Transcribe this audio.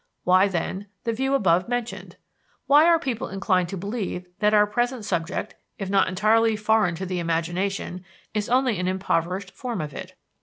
Why, then, the view above mentioned? Why are people inclined to believe that our present subject, if not entirely foreign to the imagination, is only an impoverished form of it?